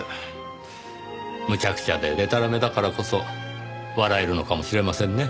むちゃくちゃででたらめだからこそ笑えるのかもしれませんね